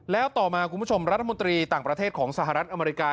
แล้วต่อมาคุณผู้ชมรัฐมนตรีต่างประเทศของสหรัฐอเมริกา